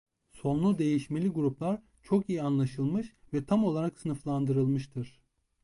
Sonlu değişmeli gruplar çok iyi anlaşılmış ve tam olarak sınıflandırılmıştır.